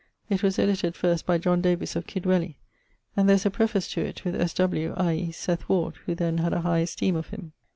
It was edited first by John Davys of Kidwelly; and there is a preface to it with S. W., i.e. Seth Ward, who then had a high esteeme of him.